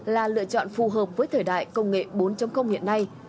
là lựa chọn phù hợp với thời đại công nghệ bốn hiện nay